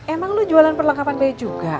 emang lo jualan perlengkapan bayi juga